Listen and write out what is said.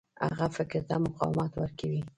هغه فکر ته مقاومت ورکوي.